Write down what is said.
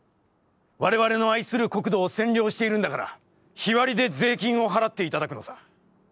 われわれの愛する国土を占領しているんだから、日割で税金を払っていただくのさ』。